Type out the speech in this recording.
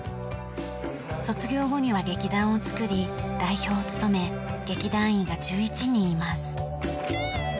卒業後には劇団をつくり代表を務め劇団員が１１人います。